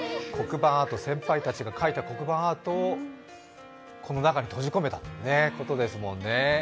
先輩たちが描いた黒板アートをこの中に閉じ込めたということですもんね。